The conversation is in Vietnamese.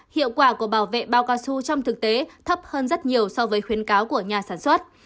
hiệu quả của bảo vệ bao cao su trong thực tế thấp hơn rất nhiều so với khuyến cáo của nhà sản xuất